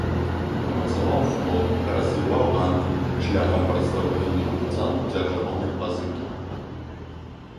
Умацаваў флот, развіваў гандаль шляхам прадастаўлення купцам дзяржаўнай пазыкі.